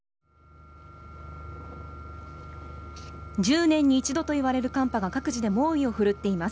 １０年に１度といわれる寒波が各地で猛威を振るっています。